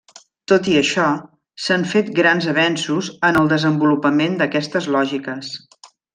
Tot i això, s'han fet grans avenços en el desenvolupament d'aquestes lògiques.